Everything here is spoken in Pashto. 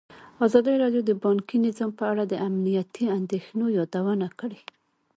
ازادي راډیو د بانکي نظام په اړه د امنیتي اندېښنو یادونه کړې.